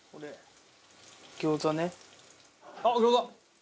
「あっ餃子！」